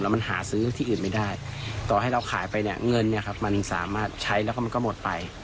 มันหาซื้อที่อื่นไม่ได้ต่อให้เราขายไปเนี่ยเงินเนี่ยครับมันสามารถใช้แล้วก็มันก็หมดไป